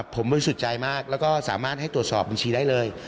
ผมบริสุทธิ์ใจมากแล้วก็สามารถให้ตรวจสอบบัญชีได้เลย